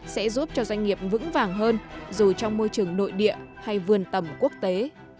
sẽ giúp cho doanh nghiệp vững vàng hơn dù trong môi trường nội địa hay vườn tầm quốc tế